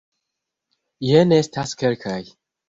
Jen estas kelkaj.